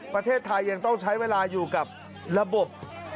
ประเทศไทยยังต้องใช้เวลาอยู่กับระบบ